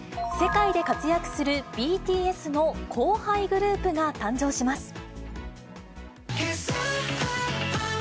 世界で活躍するＢＴＳの後輩グループが誕生します。